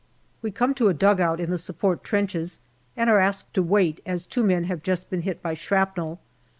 We come to a dugout in the support trenches, and are asked to wait, as two men have just been hit by shrapnel.